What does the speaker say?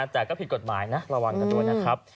แต่ก็ผิดกฎหมายนะระวังกันด้วยนะครับ